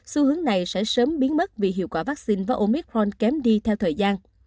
xu hướng này sẽ sớm biến mất vì hiệu quả vaccine và omitron kém đi theo thời gian